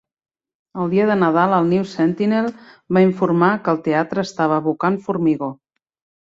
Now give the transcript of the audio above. El dia de Nadal el "News-Sentinel" va informar que el teatre estava abocant formigó.